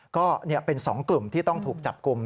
ก็เป็น๒กลุ่มที่ต้องถูกจับกลุ่ม